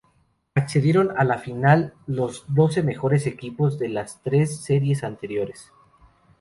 Accedieron a la final los doce mejores equipos de las tres series anteriores.